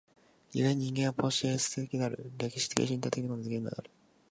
故に人間はポイエシス的である、歴史的身体的ということができるのである。